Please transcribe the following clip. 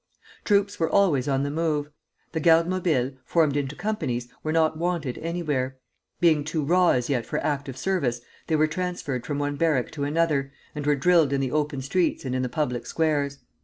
Troops were always on the move. The Gardes Mobiles, formed into companies, were not wanted anywhere. Being too raw as yet for active service, they were transferred from one barrack to another, and were drilled in the open streets and in the public squares.